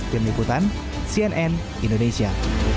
tim liputan cnn indonesia